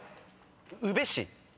「宇部市」